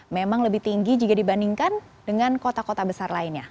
memang lebih tinggi jika dibandingkan dengan kota kota besar lainnya